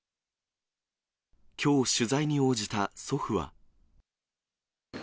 きょう取材に応じた祖父は。